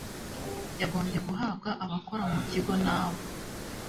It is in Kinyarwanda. yagombye guhabwa abakora mu kigo n abo